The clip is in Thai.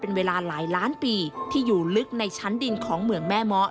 เป็นเวลาหลายล้านปีที่อยู่ลึกในชั้นดินของเมืองแม่เมาะ